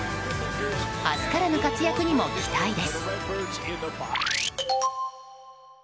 明日からの活躍にも期待です。